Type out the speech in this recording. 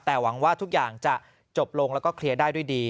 แต่หวังว่าทุกอย่างจะจบลงแล้วก็เคลียร์ได้ด้วยดี